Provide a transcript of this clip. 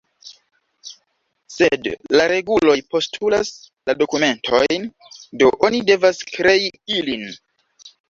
Sed la reguloj postulas la dokumentojn, do oni devas krei ilin.